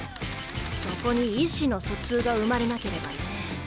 そこに意思の疎通が生まれなければね。